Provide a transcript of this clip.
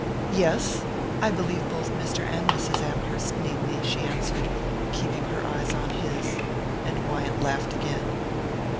"Yes I believe both Mr. and Mrs. Amherst need me," she answered, keeping her eyes on his; and Wyant laughed again.